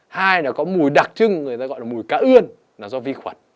hai là có mùi đặc trưng người ta gọi là mùi cá ươn là do vi khuẩn